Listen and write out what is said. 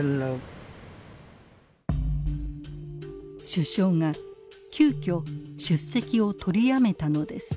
首相が急きょ出席を取りやめたのです。